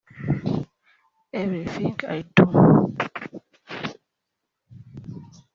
Everything I do